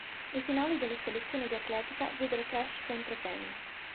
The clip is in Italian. Le finali delle selezioni di atletica videro Crash contro Penn.